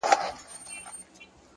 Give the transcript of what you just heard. پوهه د امکاناتو افق پراخوي.!